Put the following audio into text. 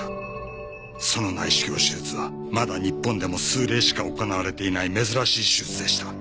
その内視鏡手術はまだ日本でも数例しか行われていない珍しい手術でした。